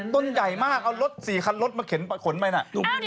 ต้นใหญ่มากเอารถ๔คันรถมาขนไปนะ